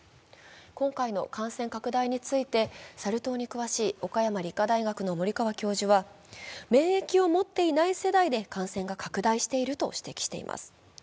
今回の感染拡大についてサル痘に詳しい岡山理科大学の森川教授は免疫を持っていない世代で感染が拡大していると指摘しています。